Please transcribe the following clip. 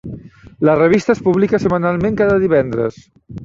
La revista es publica setmanalment cada divendres.